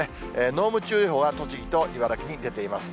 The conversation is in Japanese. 濃霧注意報が栃木と茨城に出ています。